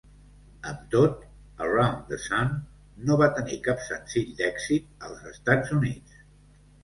Amb tot, "Around the Sun" no va tenir cap senzill d'èxit als Estats Units.